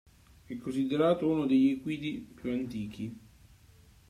È considerato uno degli equidi più antichi.